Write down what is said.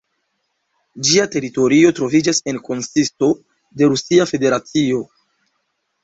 Ĝia teritorio troviĝas en konsisto de Rusia Federacio.